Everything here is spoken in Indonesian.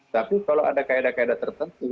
tapi kalau ada kaedah kaedah tertentu